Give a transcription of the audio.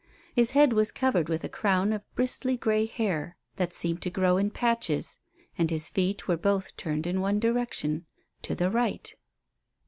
His head was covered with a crown of bristly grey hair that seemed to grow in patches, and his feet were both turned in one direction to the right.